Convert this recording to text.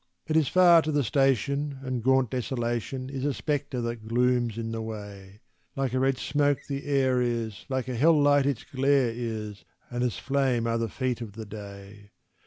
It is far to the station, and gaunt Desolation Is a spectre that glooms in the way; Like a red smoke the air is, like a hell light its glare is, And as flame are the feet of the day.